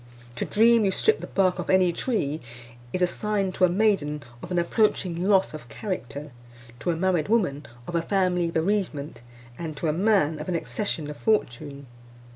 To dream you stript the bark off any tree, is a sign to a maiden of an approaching loss of a character; to a married woman, of a family bereavement; and to a man, of an accession of fortune.